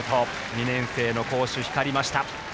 ２年生の好守が光りました。